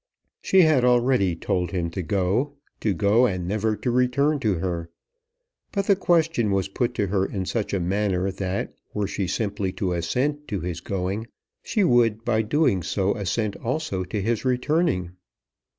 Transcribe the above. She had already told him to go, to go, and never to return to her. But the question was put to her in such a manner that were she simply to assent to his going, she would, by doing so, assent also to his returning.